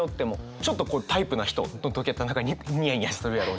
ちょっとこうタイプな人の時やったら何かニヤニヤするやろうし。